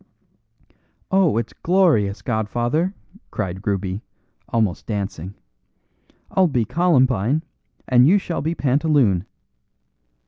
"Oh, it's glorious, godfather," cried Ruby, almost dancing. "I'll be columbine and you shall be pantaloon."